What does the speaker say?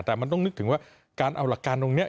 แต่มันต้องนึกถึงว่าการเอาหลักการตรงนี้